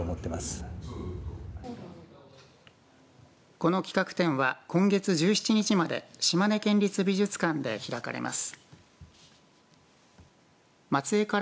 この企画展は今月１７日まで島根県立美術館で開かれます。